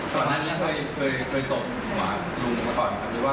ตอนนั้นเนี่ยเคยตกหงวาลุงก่อนค่ะคุณว่า